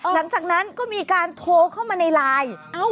หลังจากนั้นก็มีการโทรเข้ามาในไลน์